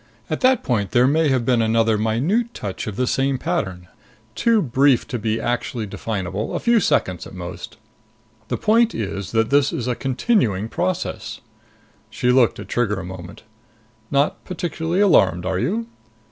At that point there may have been another minute touch of the same pattern. Too brief to be actually definable. A few seconds at most. The point is that this is a continuing process." She looked at Trigger a moment. "Not particularly alarmed, are you?"